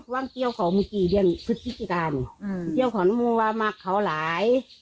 ว่าเกี่ยวเขามึกที่มันซึ่งจิตการเกี่ยวเขานังมุมว่ามักเขาไหล